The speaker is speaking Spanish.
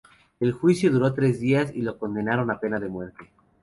El juicio duró tres días y la condenaron a pena de muerte.